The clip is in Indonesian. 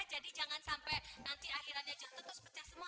jadi jangan sampai nanti akhirnya jatuh terus pecah semua